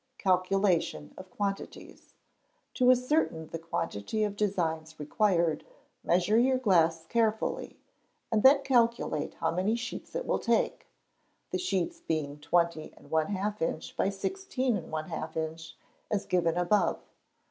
Calculation of Quantities. To ascertain the quantity of designs required, measure your glass carefully, and then calculate how many sheets it will take (the sheets being 20 1/2 in. by 16 1/2 in. as given above).